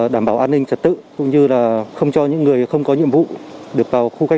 đảm bảo an ninh trật tự cũng như là không cho những người không có nhiệm vụ được vào khu cách